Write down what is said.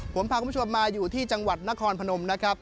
ผมพาคุณผู้ชมมาอยู่ที่จังหวัดนครพนมนะครับ